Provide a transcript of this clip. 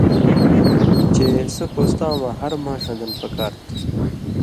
چے سو کوستاں مہ ہر ماݜاں دن پکار تُھو۔